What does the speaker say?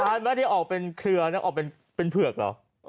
อาทีนี้ออกเป็นเผือกเหรอ